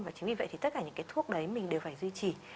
và chính vì vậy thì tất cả những cái thuốc đấy mình đều phải duy trì